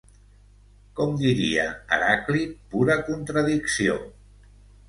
Com diria Heràclit, pura contradicció.